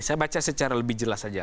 saya baca secara lebih jelas saja